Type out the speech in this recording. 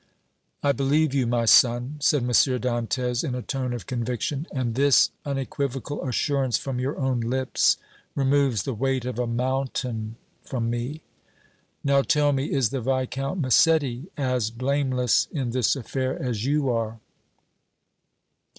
"I believe you, my son," said M. Dantès, in a tone of conviction, "and this unequivocal assurance from your own lips removes the weight of a mountain from me. Now, tell me, is the Viscount Massetti as blameless in this affair as you are?"